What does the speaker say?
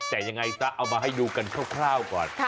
แต่ยังไงซะเอามาให้ดูกันคร่าวก่อน